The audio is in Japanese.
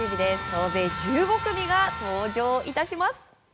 総勢１５組が登場致します。